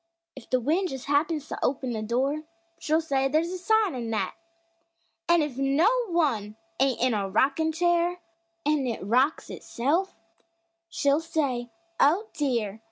If the wind just happens to open a door, She'll say there's "a sign" in that! An' if no one ain't in a rockin' chair An' it rocks itself, she'll say: "Oh, dear!